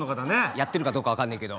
やってるかどうか分かんねえけど。